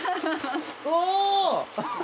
お！